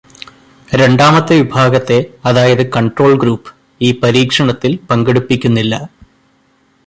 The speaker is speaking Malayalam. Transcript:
രണ്ടാമത്തെ വിഭാഗത്തെ, അതായത് കൺട്രോൾ ഗ്രൂപ്പ്, ഈ പരീക്ഷണത്തിൽ പങ്കെടുപ്പിക്കുന്നില്ല.